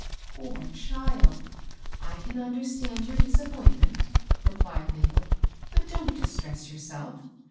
" Poor child I I can understand your disappoint* ment," replied Mabel. " But don't distress your self.